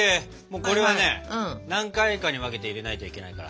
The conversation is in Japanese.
これはね何回かに分けて入れないといけないから。